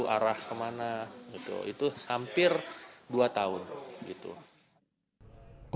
arah kemana itu hampir dua tahun